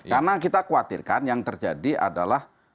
karena kita khawatirkan yang terjadi adalah